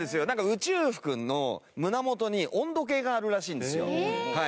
宇宙服の胸元に温度計があるらしいんですよ。